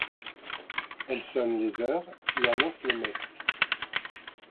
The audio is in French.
Elle sonne les heures, et annonce les messes.